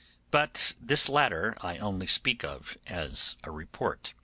But this latter I only speak of as a report.